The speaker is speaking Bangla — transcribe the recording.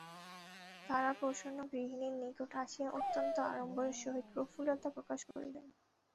তারাপ্রসন্ন গৃহিণীর নিকট আসিয়া অত্যন্ত আড়ম্বরের সহিত প্রফুল্লতা প্রকাশ করিলেন।